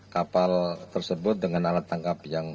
kapal tersebut dengan alat tangkap yang